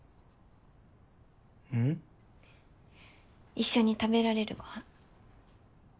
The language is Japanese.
一緒に食べられるご飯。